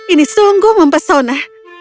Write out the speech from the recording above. ini sungguh mempesona